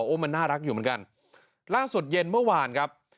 โอ้โหมันน่ารักอยู่เหมือนกันล่าสุดเย็นเมื่อวานครับ